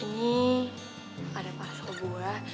ini ada parcel buah